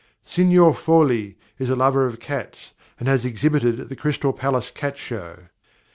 Signor Foli is a lover of cats, and has exhibited at the Crystal Palace Cat Show.